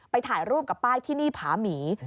ถ่ายรูปกับป้ายที่นี่ผาหมี